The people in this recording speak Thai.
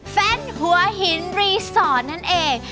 เป็นหัวหินรีสอร์ทนั่นเอง